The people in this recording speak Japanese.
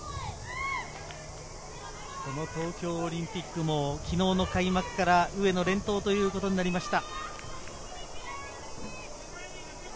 東京オリンピックも昨日の開幕から上野連投となりました。